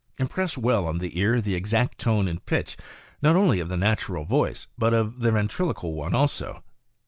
Im press well on the ear the exact tone and pitch, not only of the natural voice but of the ventriloquial one also.